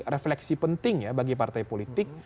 refleksi penting ya bagi partai politik